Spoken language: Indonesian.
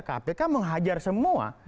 kpk menghajar semua